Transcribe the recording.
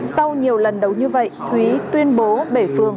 sau nhiều lần đấu như vậy thúy tuyên bố bể phường